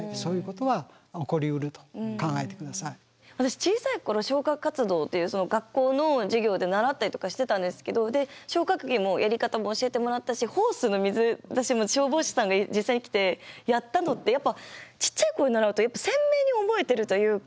私小さい頃消火活動という学校の授業で習ったりとかしてたんですけどで消火器もやり方も教えてもらったしホースの水私消防士さんが実際に来てやったのってやっぱちっちゃい頃に習うと鮮明に覚えてるというか。